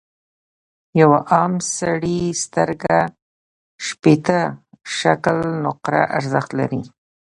د یوه عام سړي سترګه شپیته شِکِل نقره ارزښت لري.